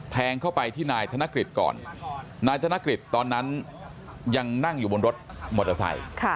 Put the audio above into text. แทงเข้าไปที่นายธนกฤษก่อนนายธนกฤษตอนนั้นยังนั่งอยู่บนรถมอเตอร์ไซค์